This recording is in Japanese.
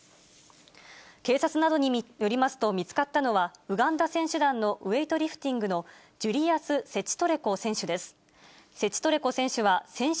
警察などによりますと、見つかったのはウガンダ選手団のウエイトリフティングのジュリアス・セチトレコ選手です。